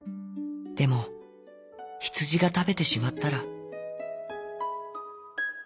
でもヒツジがたべてしまったら」。